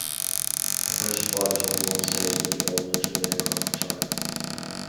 A first flight is only one stage in the development of an aircraft type.